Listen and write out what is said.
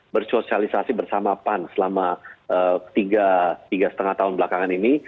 bersosialisasi bersama pan selama tiga lima tahun belakangan ini